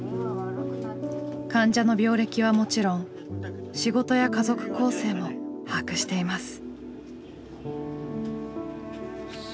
患者の病歴はもちろん仕事や家族構成も把握しています。